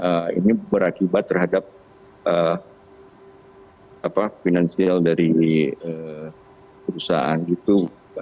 dan ini berakibat terhadap apa finansial dari perusahaan itu